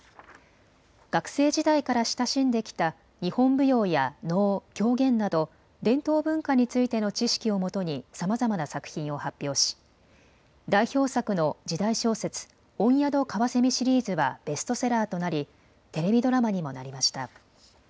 学生時代から親しんできた日本舞踊や能、狂言など伝統文化についての知識をもとにさまざまな作品を発表し、代表作の時代小説御宿かわせみシリーズはベストセラーとなりテレビドラマにもなりました。